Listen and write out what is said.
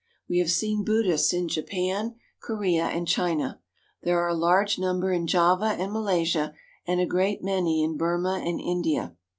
We have seen Buddhists in Japan, Korea, and China ; there are a large number in Java and Malaysia, and a great many in Burma and India.